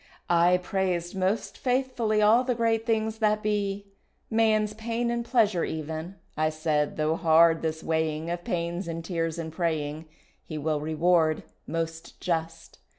I praised most faithfully All the great things that be, Man's pain and pleasure even, I said though hard this weighing Of pains and tears and praying He will reward most just.